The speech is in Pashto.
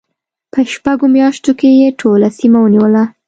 په شپږو میاشتو کې یې ټوله سیمه ونیوله.